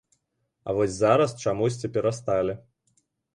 А вось зараз, чамусьці, перасталі.